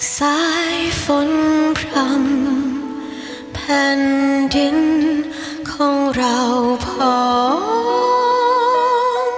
สายฝนพร่ำแผ่นดินของเราพอ